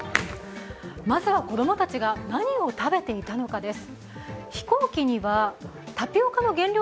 まずは子供たちが何を食べていたのかです。